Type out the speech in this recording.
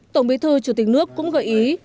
tổng bí thư chủ tịch nước cũng gợi ý